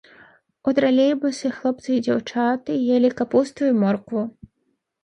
У тралейбусе хлопцы і дзяўчаты елі капусту і моркву.